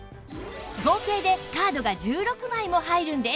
合計でカードが１６枚も入るんです